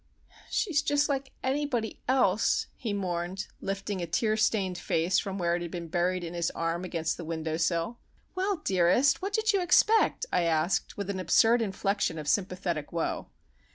"She's just like anybody else," he mourned, lifting a tear stained face from where it had been buried in his arm against the window sill. "Well, dearest, what did you expect?" I asked, with an absurd inflection of sympathetic woe.